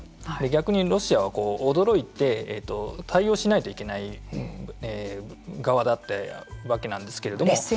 逆にロシアは驚いて、対応しないといけない側だったわけなんですけれども。